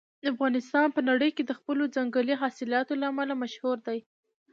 افغانستان په نړۍ کې د خپلو ځنګلي حاصلاتو له امله مشهور دی.